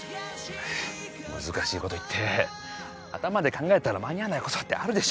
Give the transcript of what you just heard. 難しいこと言って頭で考えたら間に合わないことってあるでしょ